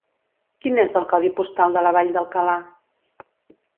Quin és el codi postal de la Vall d'Alcalà?